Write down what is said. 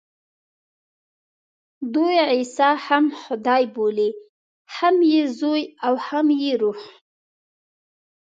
دوی عیسی هم خدای بولي، هم یې زوی او هم یې روح.